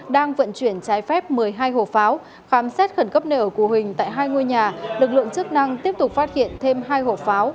đang vận chuyển trái phép một mươi hai hộp pháo khám xét khẩn cấp nợ của huỳnh tại hai ngôi nhà lực lượng chức năng tiếp tục phát hiện thêm hai hộp pháo